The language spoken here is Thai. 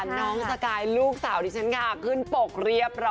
น้องสกายลูกสาวดิฉันค่ะขึ้นปกเรียบร้อย